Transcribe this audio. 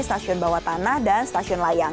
stasiun bawah tanah dan stasiun layang